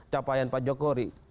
capaian pak jokowi